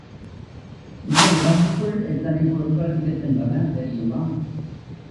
இந்த உடம்புக்குள் எத்தனை புழுக்கள் இருக்கின்றன தெரியுமா?